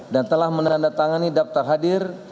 dan telah menandatangani daftar hadir